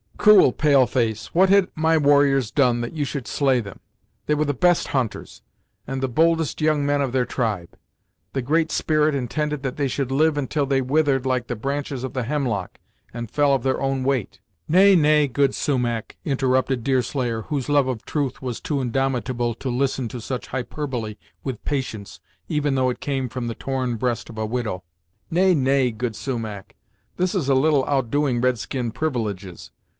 "Cruel pale face, what had my warriors done that you should slay them! They were the best hunters, and the boldest young men of their tribe; the Great Spirit intended that they should live until they withered like the branches of the hemlock, and fell of their own weight " "Nay nay good Sumach," interrupted Deerslayer, whose love of truth was too indomitable to listen to such hyperbole with patience, even though it came from the torn breast of a widow "Nay nay, good Sumach, this is a little outdoing red skin privileges.